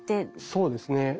そうですね。